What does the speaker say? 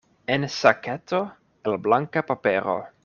En saketo el blanka papero.